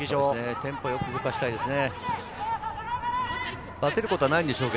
テンポよく動かしたいですね。